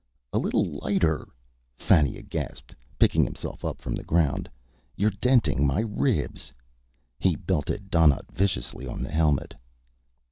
"A little lighter," Fannia gasped, picking himself up from the ground. "You're denting my ribs." He belted Donnaught viciously on the helmet.